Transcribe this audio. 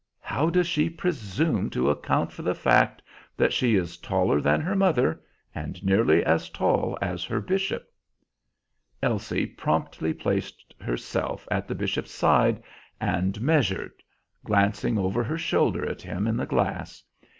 How does she presume to account for the fact that she is taller than her mother and nearly as tall as her bishop?" Elsie promptly placed herself at the bishop's side and "measured," glancing over her shoulder at him in the glass.